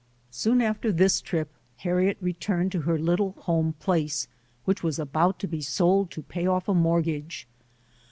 Soon after this trip Harriet returned to her little home place, which was about to be sold to pay off a mortgage.